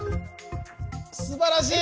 すばらしい！